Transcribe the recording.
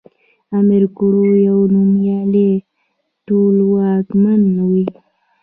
امير کروړ يو نوميالی ټولواکمن وی